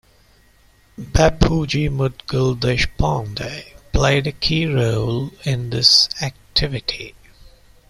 Bapuji Mudgal Deshpande played a key role in this activity.